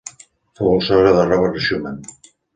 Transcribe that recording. Fou el sogre de Robert Schumann.